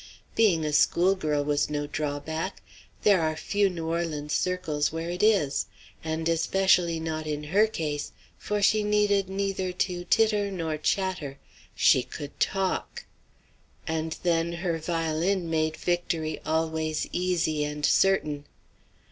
Being a schoolgirl was no drawback; there are few New Orleans circles where it is; and especially not in her case, for she needed neither to titter nor chatter, she could talk. And then, her violin made victory always easy and certain.